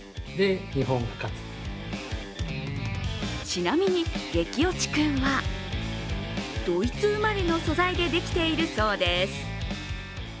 ちなみに、激落ちくんはドイツ生まれの素材でできているそうです。